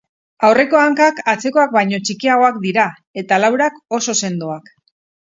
Aurreko hankak atzekoak baino txikiagoak dira eta laurak oso sendoak.